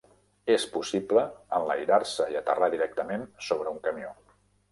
És possible enlairar-se i aterrar directament sobre un camió.